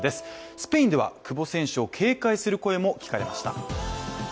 スペインでは久保選手を警戒する声も聞かれました。